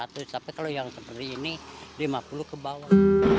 tapi kalau yang seperti ini lima puluh ke bawah